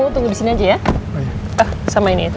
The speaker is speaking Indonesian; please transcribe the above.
terima kasih ya bu